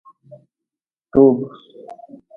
Toob.